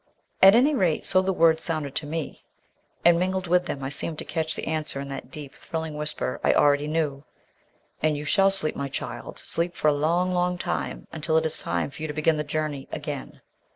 At any rate, so the words sounded to me, and mingled with them I seemed to catch the answer in that deep, thrilling whisper I already knew: "And you shall sleep, my child, sleep for a long, long time, until it is time for you to begin the journey again."